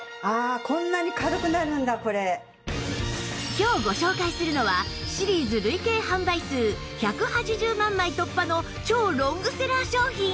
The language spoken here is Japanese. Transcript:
今日ご紹介するのはシリーズ累計販売数１８０万枚突破の超ロングセラー商品